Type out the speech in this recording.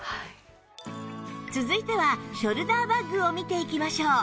続いてはショルダーバッグを見ていきましょう